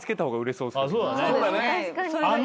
そうだね。